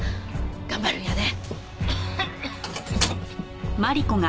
頑張るんやで。